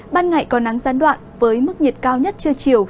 ban ngày còn nắng gián đoạn với mức nhiệt cao nhất chưa chiều